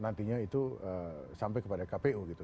nantinya itu sampai kepada kpu gitu